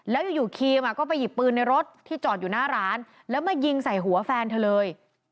แล้วอยู่ครีมก็ไปหยิบปืนในรถที่จอดอยู่หน้าร้านแล้วมายิงใส่หัวแฟนเธอเลย